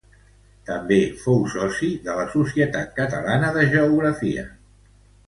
També fou soci de la Societat Catalana de Geografia.